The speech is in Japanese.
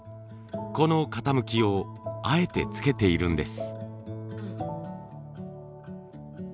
この傾きをあえてつけているんです。